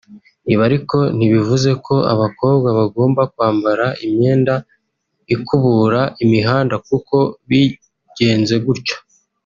Ibi ariko ntibivuze ko abakobwa bagomba kwambara imyenda ikubura imihanda kuko bigenze gutyo